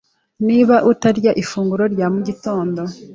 Niba utarya ifunguro rya mugitondo,